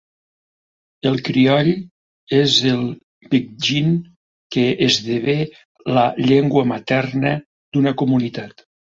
El crioll és el pidgin que esdevé la llengua materna d'una comunitat.